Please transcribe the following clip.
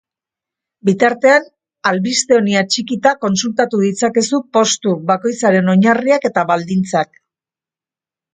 Bitartean albiste honi atxikita kontsultatu ditzakezu postu bakoitzaren oinarriak eta baldintzak.